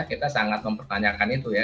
kita sangat mempertanyakan itu ya